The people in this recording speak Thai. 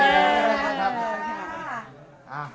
สวัสดีครับ